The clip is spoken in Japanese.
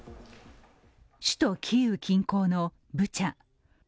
首都キーウ近郊のブチャ。